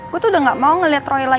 gue tuh udah gak mau ngeliat roy lagi